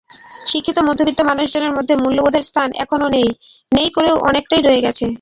শিক্ষিত মধ্যবিত্ত মানুষজনের মধ্যে মূল্যবোধের স্থান এখনো নেই নেই করেও অনেকটাই রয়ে গেছে।